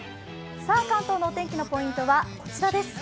関東のお天気のポイントはこちらです。